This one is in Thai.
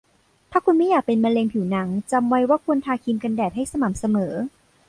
ถ้าคุณไม่อยากเป็นมะเร็งผิวหนัง จำไว้ว่าควรทาครีมกันแดดให้สม่ำเสมอ